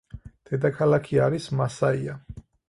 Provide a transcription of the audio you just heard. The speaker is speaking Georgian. დედაქალაქი არის მასაია.